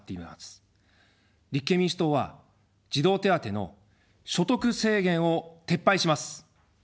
立憲民主党は児童手当の所得制限を撤廃します。